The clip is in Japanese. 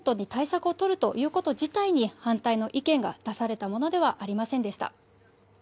ただハラスメントに対策を取るということ自体に反対の意見が出されたものではありませんでした。